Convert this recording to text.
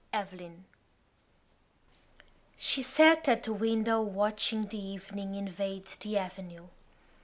EVELINE She sat at the window watching the evening invade the avenue.